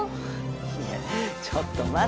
いやちょっと待ってよ。